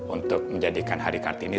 untuk menjadikan hari kartini